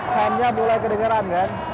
saatnya mulai kedengeran kan